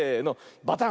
バタン。